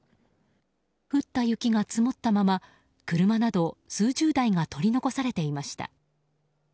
降った雪が積もったまま車など数十台が取り残されていました。